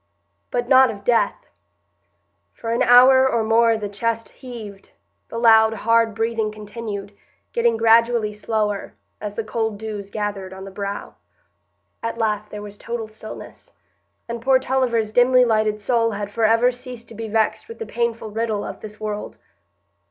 But not of death. For an hour or more the chest heaved, the loud, hard breathing continued, getting gradually slower, as the cold dews gathered on the brow. At last there was total stillness, and poor Tulliver's dimly lighted soul had forever ceased to be vexed with the painful riddle of this world.